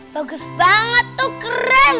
bagus banget tuh keren